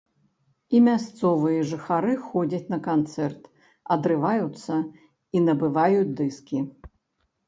І мясцовыя жыхары ходзяць на канцэрт, адрываюцца, і набываюць дыскі.